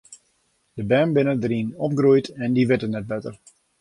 De bern binne dêryn opgroeid en dy witte net better.